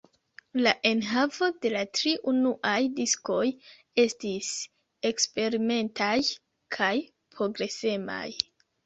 La enhavo de la tri unuaj diskoj estis eksperimentaj kaj progresemaj.